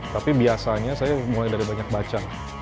tapi biasanya saya mulai dari banyak baca